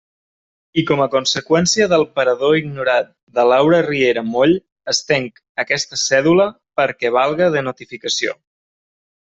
I com a conseqüència del parador ignorat de Laura Riera Moll, estenc aquesta cèdula perquè valga de notificació.